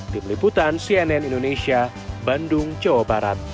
di peliputan cnn indonesia bandung jawa barat